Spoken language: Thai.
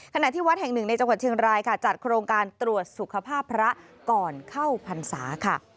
ขณะที่วัดแห่งหนึ่งในจังหวัดเชียงรายค่ะจัดโครงการตรวจสุขภาพพระก่อนเข้าพรรษาค่ะ